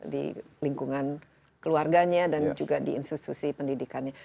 di lingkungan keluarganya dan juga di institusi pendidikannya